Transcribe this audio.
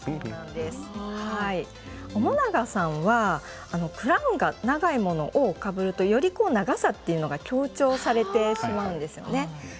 面長さんはクラウンが長いものをかぶるとより長さが強調されてしまうんですね。